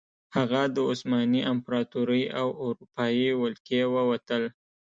هغه د عثماني امپراتورۍ او اروپايي ولکې ووتل.